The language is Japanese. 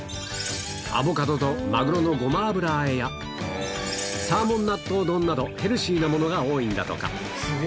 アボカドとマグロのごま油和えや、サーモン納豆丼など、ヘルシーなものが多いんだとか。